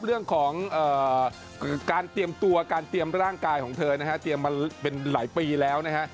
เรื่องของการเตรียมตัวการเตรียมร่างกายของเธอนะฮะเตรียมมาเป็นหลายปีแล้วนะฮะ